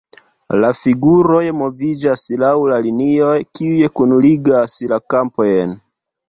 La figuroj moviĝas laŭ la linioj, kiuj kunligas la kampojn.